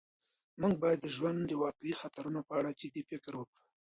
موږ باید د ژوند د واقعي خطرونو په اړه جدي فکر وکړو.